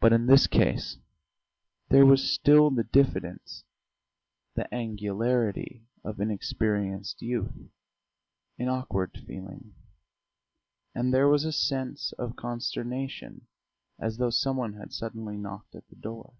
But in this case there was still the diffidence, the angularity of inexperienced youth, an awkward feeling; and there was a sense of consternation as though some one had suddenly knocked at the door.